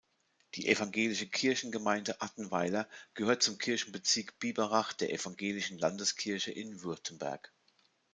Die Evangelische Kirchengemeinde Attenweiler gehört zum Kirchenbezirk Biberach der Evangelischen Landeskirche in Württemberg.